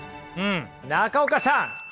中岡さん